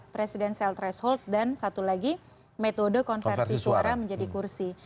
presidensial threshold dan satu lagi metode konversi suara menjadi kursi